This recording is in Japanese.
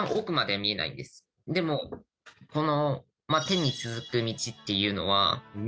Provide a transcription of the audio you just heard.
でもこの。